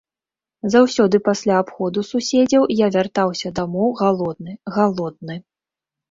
Заўсёды пасля абходу суседзяў я вяртаўся дамоў галодны, галодны.